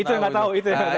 itu nggak tahu